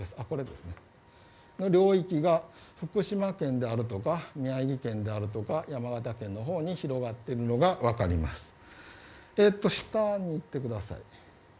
この領域が福島県であるとか宮城県であるとか山形県のほうに広がっているのが分かります。